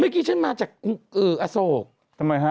เมื่อกี้ฉันมาจากอโศกรรมทำไมคะ